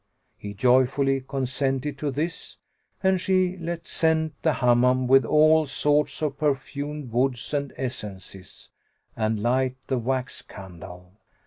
He joyfully consented to this, and she let scent the Hammam with all sorts of perfumed woods and essences, and light the wax candles.